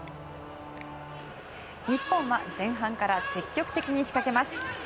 日本は前半から積極的に仕掛けます。